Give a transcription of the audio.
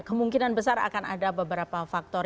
kemungkinan besar akan ada beberapa faktor